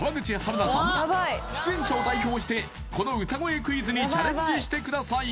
ヤバい出演者を代表してこの歌声クイズにチャレンジしてください